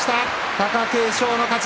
貴景勝の勝ち。